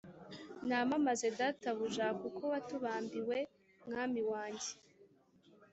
Namamaze databuja kuko watubambiwe mwami wanjye